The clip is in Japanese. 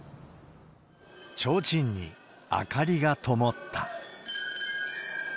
ちょうちんに明かりがともった。